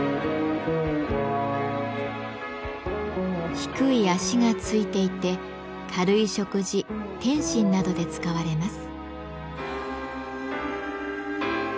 低い脚が付いていて軽い食事点心などで使われます。